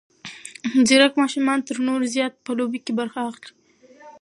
ځیرک ماشومان تر نورو زیات په لوبو کې برخه اخلي.